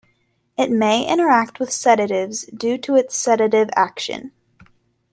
It may interact with sedatives due to its sedative action.